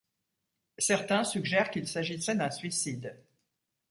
Certains suggèrent qu'il s'agissait d'un suicide.